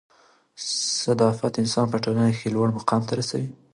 صدافت انسان په ټولنه کښي لوړ مقام ته رسوي.